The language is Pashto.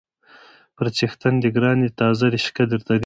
_پر څښتن دې ګران يې، تازه رشقه درته رېبي.